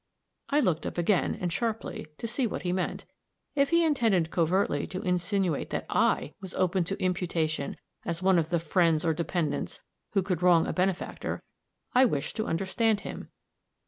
I looked up again, and sharply, to see what he meant. If he intended covertly to insinuate that I was open to imputation as one of the "friends or dependents" who could wrong a benefactor, I wished to understand him.